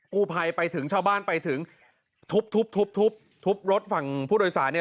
กู้ภัยไปถึงชาวบ้านไปถึงทุบทุบรถฝั่งผู้โดยสารเนี่ย